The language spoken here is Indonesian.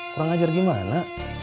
kurang ajar gimana